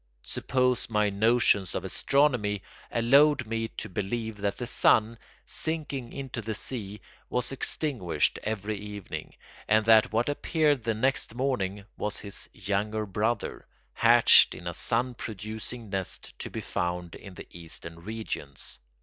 Suppose my notions of astronomy allowed me to believe that the sun, sinking into the sea, was extinguished every evening, and that what appeared the next morning was his younger brother, hatched in a sun producing nest to be found in the Eastern regions.